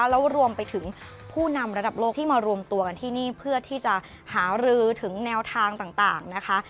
แล้วรวมไปถึงผู้นำระดับโลกที่มารวมตัวกันที่นี่เพื่อที่จะหารือถึงแนวทางต่างนะคะ